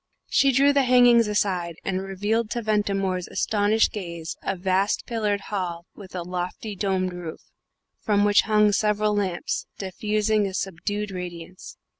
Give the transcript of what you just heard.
She drew the hangings aside, and revealed to Ventimore's astonished gaze a vast pillared hall with a lofty domed roof, from which hung several lamps, diffusing a subdued radiance.